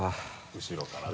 後ろからね